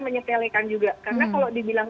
menyeselekan juga karena kalau dibilang